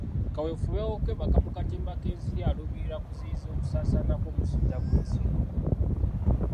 Kaweefube w'okwebaka mu katimba k'ensiri aluubirira kuziyiza okusaasaana kw'omusujja gw'ensiri.